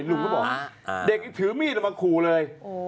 ลุงก็บอกเด็กถือมีดลงมาขู่เลย